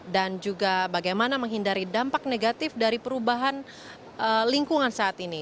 dan juga bagaimana menghindari dampak negatif dari perubahan lingkungan saat ini